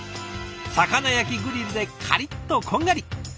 魚焼きグリルでカリッとこんがり！